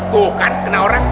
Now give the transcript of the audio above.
tuh kan kena orang